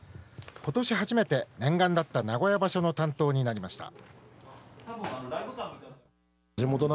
ことし初めて、念願だった名古屋場所の担当になりました。